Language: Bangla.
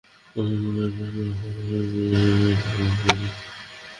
এছাড়াও, এই সময়ে সমস্ত ইলেকট্রনিক ডিভাইস অবশ্যই বন্ধ রাখতে হবে।